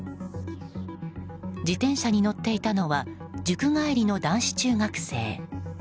自転車に乗っていたのは塾帰りの男子中学生。